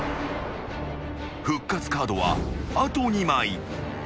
［復活カードはあと２枚］